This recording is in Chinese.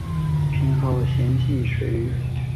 偏好咸性水域。